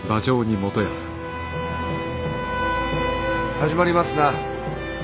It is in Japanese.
始まりますな。